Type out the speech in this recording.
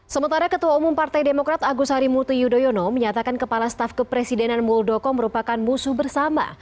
sementara ketua umum partai demokrat agus harimurti yudhoyono menyatakan kepala staf kepresidenan muldoko merupakan musuh bersama